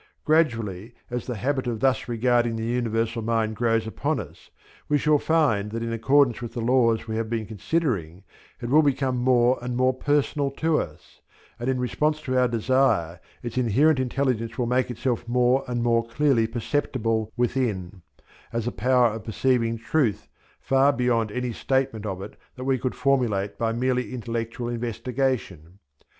Gradually as the habit of thus regarding the Universal Mind grows upon us, we shall find that in accordance with the laws we have been considering, it will become more and more personal to us, and in response to our desire its inherent intelligence will make itself more and more clearly perceptible within as a power of perceiving truth far beyond any statement of it that we could formulate by merely intellectual investigation.